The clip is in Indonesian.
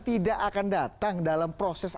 tidak akan datang dalam proses